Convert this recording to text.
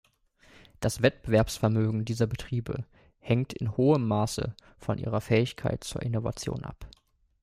Das Wettbewerbsvermögen dieser Betriebe hängt in hohem Maße von ihrer Fähigkeit zur Innovation ab.